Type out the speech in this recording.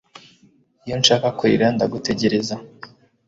Iyo nshaka kurira ndagutekereza